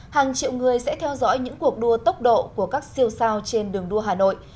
hàng triệu người sẽ theo dõi những cuộc đua tốc độ của các siêu sao trên đường đua hà nội